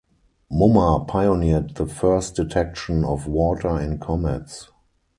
Mumma pioneered the first detection of water in comets.